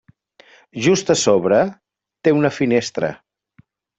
Just a sobre té una finestra.